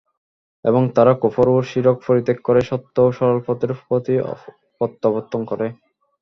এবং তারা কুফর ও শিরক পরিত্যাগ করে সত্য ও সরল পথের প্রতি প্রত্যাবর্তন করে।